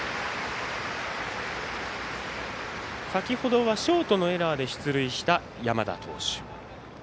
先ほどはショートのエラーで出塁した山田投手。